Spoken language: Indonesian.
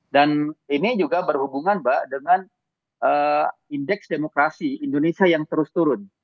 dan ini juga berhubungan mbak dengan indeks demokrasi indonesia yang terus turun